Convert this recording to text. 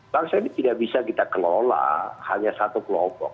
bangsa ini tidak bisa kita kelola hanya satu kelompok